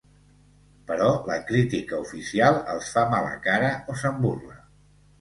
Però la crítica oficial els fa mala cara o se'n burla.